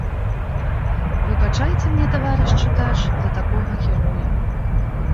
Выбачайце мне, таварыш чытач, за такога героя.